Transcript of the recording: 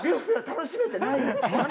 楽しめてない。